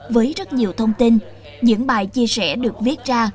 với rất nhiều thông tin những bài chia sẻ được viết ra